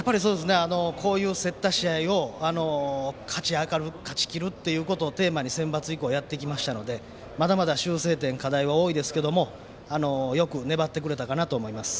こういう競った試合を勝ちきるということをテーマにセンバツ以降やってきたのでまだまだ修正点と課題は多いですけどよく粘ってくれたかなと思います。